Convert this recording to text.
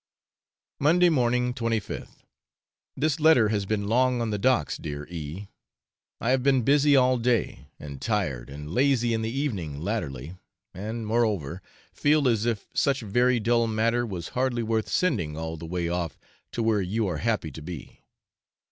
Monday morning, 25th. This letter has been long on the stocks, dear E . I have been busy all day, and tired, and lazy in the evening latterly, and, moreover, feel as if such very dull matter was hardly worth sending all the way off to where you are happy to be.